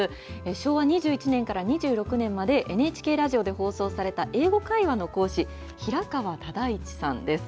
昭和２１年から２６年までＮＨＫラジオで放送された英語会話の講師、平川唯一さんです。